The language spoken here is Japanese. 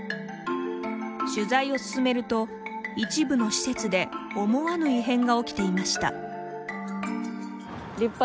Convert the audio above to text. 取材を進めると、一部の施設で思わぬ異変が起きていました。